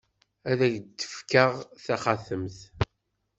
Ad ak-d-fkeɣ taxatemt.